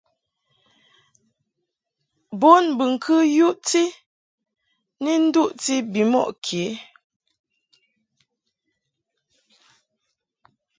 Bonbɨŋkɨ yuʼti ni duʼti bimɔʼ kě.